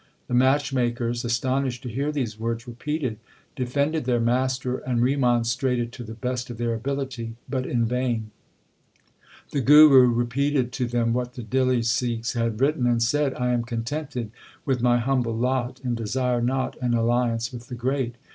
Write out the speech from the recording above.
The match makers, astonished to hear these words repeated, defended their master and remonstrated to the best of their ability, but in vain. The Guru repeated to them what the Dihli Sikhs had written and said, I am contented with my humble lot, and desire not an alliance with the great.